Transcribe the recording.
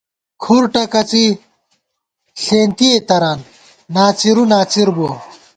کھُر ٹکَڅِی ݪېنتِئے تران، ناڅِرو ناڅِر بُوَہ